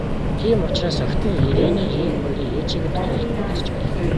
Тийм учраас охид нь, Ирене Эве хоёр ээжийгээ төлөөлөн оролцож байлаа.